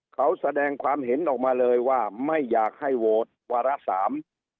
เขาแสดงความเห็นออกมาเลยว่าไม่อยากให้โหวตวาระสาม